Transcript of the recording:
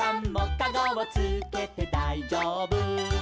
「かごをつけてだいじょうぶ」